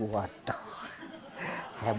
wah toh hebatnya